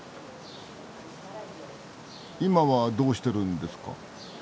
今はどうしてるんですか？